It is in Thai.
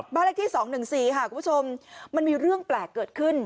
บ้านเลขที่๒๑๔มันมีเรื่องแปลกเกิดขึ้น